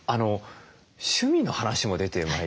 趣味の話も出てまいりました。